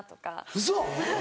ウソ！